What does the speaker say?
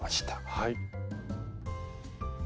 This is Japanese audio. はい。